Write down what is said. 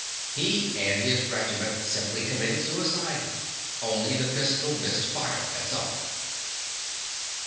He and his regiment simply committed suicide—only the pistol missed fire, that's all.